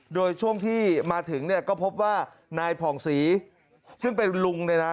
โดยช่วงที่มาถึงเนี่ยก็พบว่านายผ่องศรีซึ่งเป็นลุงเนี่ยนะ